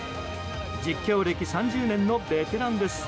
実況歴３０年のベテランです。